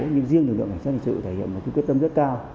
nhưng riêng lực lượng cảnh sát hình sự thể hiện một cái quyết tâm rất cao